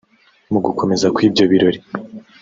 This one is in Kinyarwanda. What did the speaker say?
Mugukomeza kw’ibyo birori